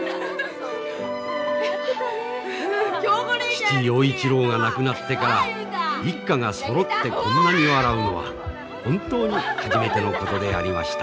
父陽一郎が亡くなってから一家がそろってこんなに笑うのは本当に初めてのことでありました。